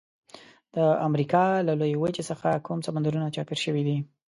د امریکا له لویې وچې څخه کوم سمندرونه چاپیر شوي دي؟